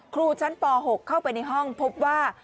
ครูชั้นป๖เข้าไปในห้องพบว่า